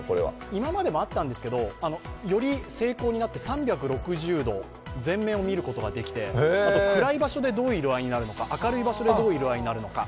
今までもあったんですけど、より精巧になって３６０度、全面を見ることができて暗い場所でどういう色合いになるのか明るい場所でどういう色合いになるのか。